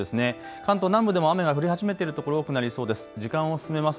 関東南部でも雨が降り始めている所、多くなりそうです。